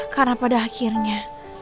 karena pada akhirnya